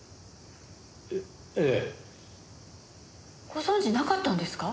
ご存じなかったんですか？